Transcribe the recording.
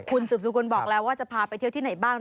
คุณสุบสกุลบอกแล้วว่าจะพาไปเที่ยวที่ไหนบ้าง